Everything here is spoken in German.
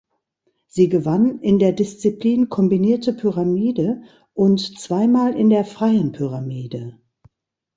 Sie gewann in der Disziplin Kombinierte Pyramide und zweimal in der Freien Pyramide.